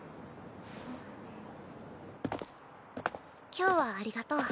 今日はありがとう。